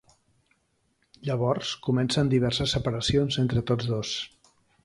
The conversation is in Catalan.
Llavors comencen diverses separacions entre tots dos.